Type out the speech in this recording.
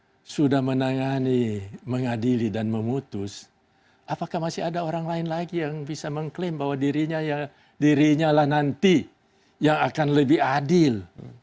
kalau delapan belas orang hakim sudah menangani mengadili dan memutus apakah masih ada orang lain lagi yang bisa mengklaim bahwa dirinya nanti yang akan lebih adil